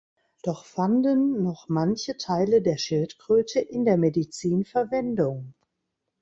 Doch fanden noch manche Teile der Schildkröte in der Medizin Verwendung.